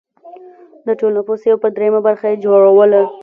د ټول نفوس یو پر درېیمه برخه یې جوړوله